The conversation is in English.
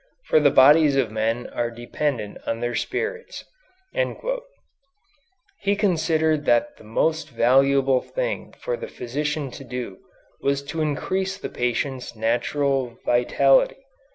For the bodies of men are dependent on their spirits." He considered that the most valuable thing for the physician to do was to increase the patient's natural vitality.